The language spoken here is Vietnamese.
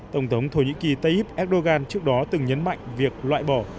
tổng thống thổ nhĩ kỳ tayyip erdogan trước đó từng nhấn mạnh việc loại bỏ